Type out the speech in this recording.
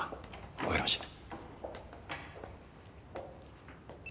わかりました。